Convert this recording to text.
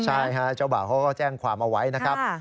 ใช่ฮะเจ้าบ่าวเขาก็แจ้งความเอาไว้นะครับ